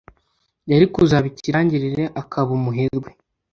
yari kuzaba ikirangirire akaba umuherwe